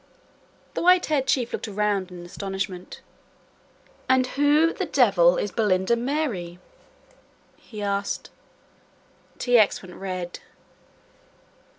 The white haired chief looked round in astonishment. "And who the devil is Belinda Mary?" he asked. T. X. went red.